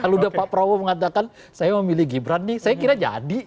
lalu udah pak prabowo mengatakan saya mau milih gibran nih saya kira jadi